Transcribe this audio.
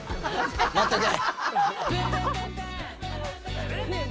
待っとけ！